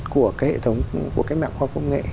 của cái hệ thống của cách mạng khoa học công nghệ